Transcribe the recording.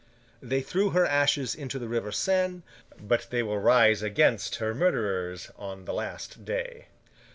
They threw her ashes into the river Seine; but they will rise against her murderers on the last day.